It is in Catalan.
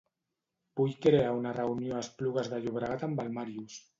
Vull crear una reunió a Esplugues de Llobregat amb el Màrius.